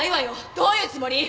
どういうつもり⁉